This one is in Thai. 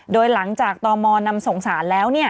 โดยหลังจากตมนำส่งสารแล้ว